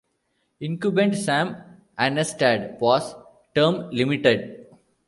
Incumbent Sam Aanestad was term-limited.